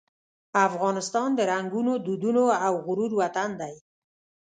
افغانستان د رنګونو، دودونو او غرور وطن دی.